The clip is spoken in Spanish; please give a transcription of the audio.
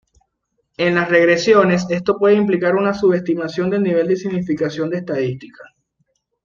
En las regresiones, esto puede implicar una subestimación del nivel de significación estadística.